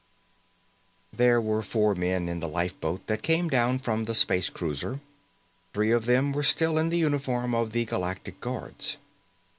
There were four men in the lifeboat that came down from the space cruiser. Three of them were still in the uniform of the Galactic Guards.